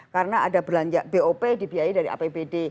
karena ada belanja bop dibiayai dari apbd